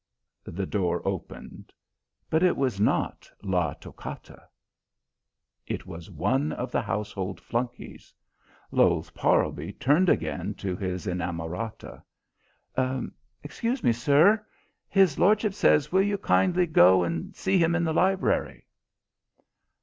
The door opened. But it was not La Toccata. It was one of the household flunkies. Lowes Parlby turned again to his inamorata. "Excuse me, sir. His lordship says will you kindly go and see him in the library?"